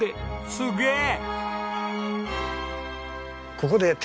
すげえ！